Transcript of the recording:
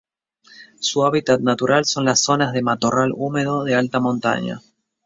Su hábitat natural son las zonas de matorral húmedo de alta montaña.